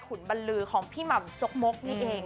บรรลือของพี่หม่ำจกมกนี่เอง